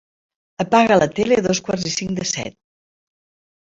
Apaga la tele a dos quarts i cinc de set.